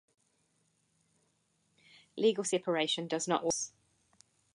Legal separation does not automatically lead to divorce.